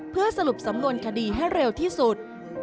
เพื่อสรุปสำนวนคดีให้เร็วที่สุด